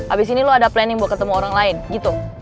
abis ini lo ada planning mau ketemu orang lain gitu